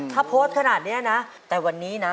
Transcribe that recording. ถ้าโพสต์ขนาดนี้นะแต่วันนี้นะ